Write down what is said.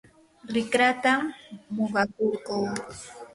rikratam muqakurquu.